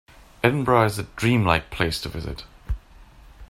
Edinburgh is a dream-like place to visit.